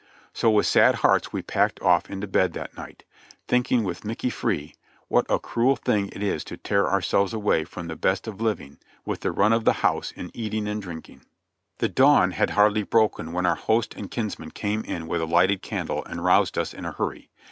So with sad hearts we packed of? into bed that night, thinking with Mickey Free, "what a cruel thing it is to tear our selves away from the best of living, with the run of the house in eating and drinking." The dawn had hardly broken when our host and kinsman came in with a lighted candle and roused us in a hurry.